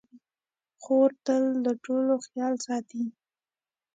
خور تل د ټولو خیال ساتي.